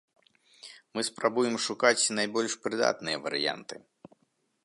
Мы спрабуем шукаць найбольш прыдатныя варыянты.